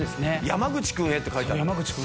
「山口君へ」って書いてある。